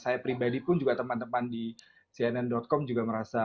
saya pribadi pun juga teman teman di cnn com juga merasa